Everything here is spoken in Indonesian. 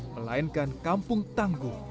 melainkan kampung tangguh